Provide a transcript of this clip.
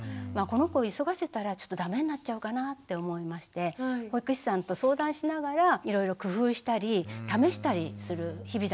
この子急がせたらちょっとだめになっちゃうかなって思いまして保育士さんと相談しながらいろいろ工夫したり試したりする日々だったんですよね。